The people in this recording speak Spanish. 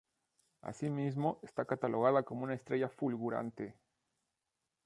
Asimismo, está catalogada como una estrella fulgurante.